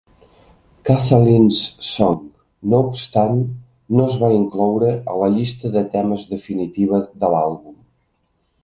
"Kathleen's Song", no obstant, no es va incloure a la llista de temes definitiva de l'àlbum.